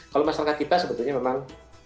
kalau masyarakat kita sebetulnya memang